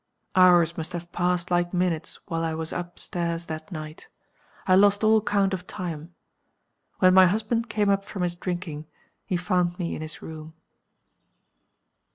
"Hours must have passed like minutes while I was up stairs that night. I lost all count of time. When my husband came up from his drinking, he found me in his room."